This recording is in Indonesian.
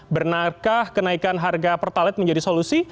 benarkah kenaikan harga pertalite menjadi solusi